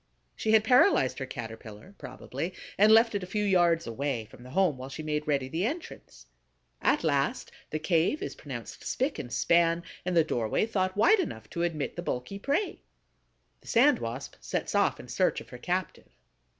She had paralyzed her Caterpillar, probably, and left it a few yards away from the home while she made ready the entrance. At last the cave is pronounced spick and span, and the doorway thought wide enough to admit the bulky prey. The Sand Wasp sets off in search of her captive.